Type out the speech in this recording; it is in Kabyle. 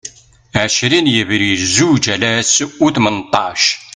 Ɛecrin Yebrir Zuǧ alas u Tmenṭac